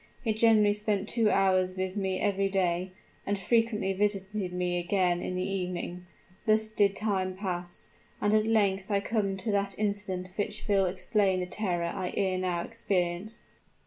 He generally spent two hours with me every day, and frequently visited me again in the evening. Thus did time pass; and at length I come to that incident which will explain the terror I ere now experienced."